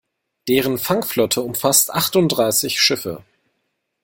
Deren Fangflotte umfasst achtunddreißig Schiffe.